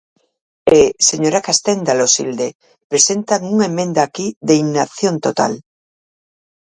E, señora Castenda Loxilde, presentan unha emenda aquí de inacción total.